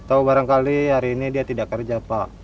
atau barangkali hari ini dia tidak kerja pak